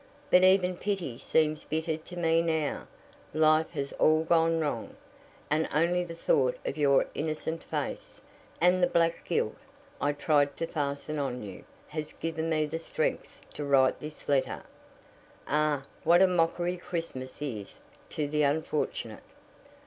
"But even pity seems bitter to me now life has all gone wrong, and only the thought of your innocent face, and the black guilt I tried to fasten on you, has given me the strength to write this letter. "Ah, what a mockery Christmas is to the unfortunate!